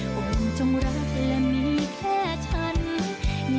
โอ้โหจงรักและมีแค่ฉันอย่าได้เปลี่ยนใจ